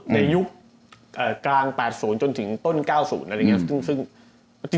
ในยุคกลาง๘๐จนถึงต้น๙๐อะไรอย่างนี้